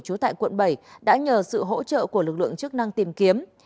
trú tại quận bảy đã nhờ sự hỗ trợ của lực lượng chức năng tìm kiếm